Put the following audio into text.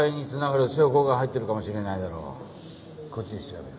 こっちで調べる。